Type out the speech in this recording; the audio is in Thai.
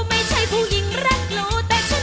ไม่ใช่ผู้หญิงรักรู้